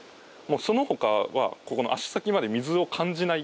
その他は足先まで水を感じない。